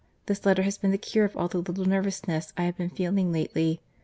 —This letter has been the cure of all the little nervousness I have been feeling lately.